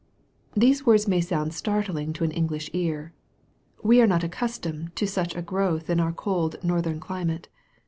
These words may sound startling to an English ear. We are not accustomed to such a growth in our cold northern climate.